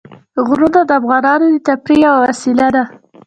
غرونه د افغانانو د تفریح یوه وسیله ده.